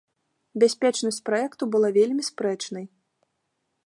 Бяспечнасць праекту была вельмі спрэчнай.